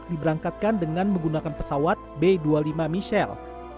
diberangkatkan dengan menggunakan pesawat b dua puluh lima michelle